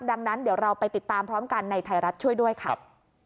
ดังนั้นเดี๋ยวเราไปติดตามพร้อมกันในไทยรัฐช่วยด้วยครับ